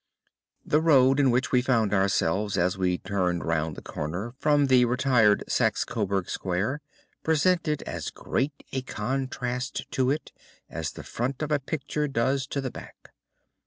The road in which we found ourselves as we turned round the corner from the retired Saxe Coburg Square presented as great a contrast to it as the front of a picture does to the back.